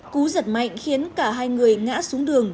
cú giật mạnh khiến cả hai người ngã xuống đường